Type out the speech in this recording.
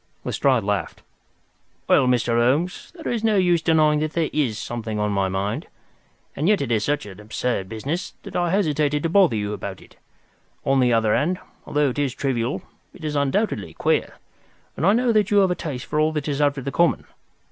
Lestrade laughed. "Well, Mr. Holmes, there is no use denying that there is something on my mind. And yet it is such an absurd business, that I hesitated to bother you about it. On the other hand, although it is trivial, it is undoubtedly queer, and I know that you have a taste for all that is out of the common.